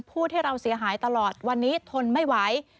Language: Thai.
พูดให้เราเสียหายตลอดวันนี้ทนไม่ไหว